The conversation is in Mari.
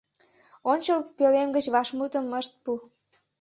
Ончыл пӧлем гыч вашмутым ышт пу.